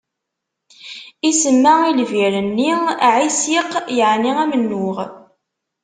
Isemma i lbir-nni: Ɛisiq, yƐni amennuɣ.